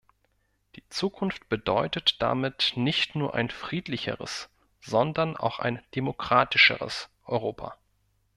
Die Zukunft bedeutet damit nicht nur ein friedlicheres, sondern auch ein demokratischeres Europa.